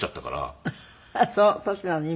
その年なのね